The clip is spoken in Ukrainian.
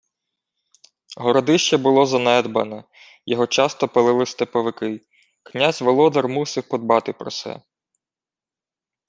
Городище було занедбане, його часто палили степовики. Князь Володар мусив подбати про се.